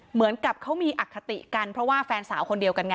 เหมือนกับเขามีอคติกันเพราะว่าแฟนสาวคนเดียวกันไง